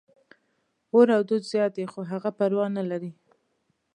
اور او دود زیات دي، خو هغه پروا نه لري.